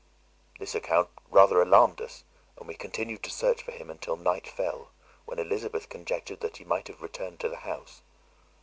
"This account rather alarmed us, and we continued to search for him until night fell, when Elizabeth conjectured that he might have returned to the house.